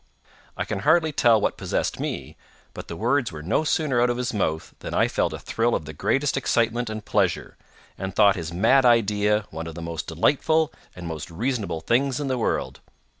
I can hardly tell what possessed me, but the words were no sooner out of his mouth than I felt a thrill of the greatest excitement and pleasure, and thought his mad idea one of the most delightful and most reasonable things in the world.